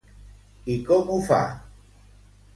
I com ho fa?